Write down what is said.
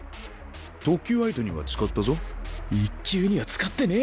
特級相手には使ったぞ。